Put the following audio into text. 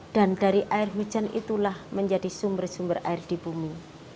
dan dari air hujan itulah menjadi sumber sumber air di bumi